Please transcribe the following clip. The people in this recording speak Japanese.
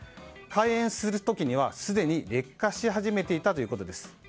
開園する時には、すでに劣化し始めていたということです。